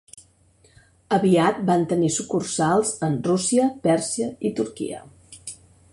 Aviat van tenir sucursals en Rússia, Pèrsia i Turquia.